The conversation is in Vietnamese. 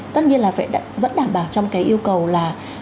tất nhiên là vẫn đảm bảo trong cái yêu cầu là